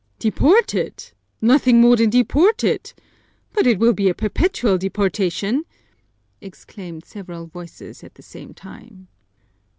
"Deported! Nothing more than deported? But it will be a perpetual deportation!" exclaimed several voices at the same time.